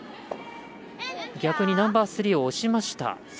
逆にナンバースリーを押しました。